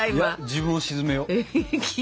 自分を鎮めよう。